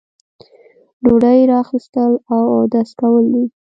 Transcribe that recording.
ډوډۍ را اخیستل او اودس کول دي.